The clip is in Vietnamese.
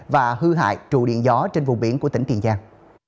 và hư hại trụ điện gió trên vùng biển của tỉnh tiền giang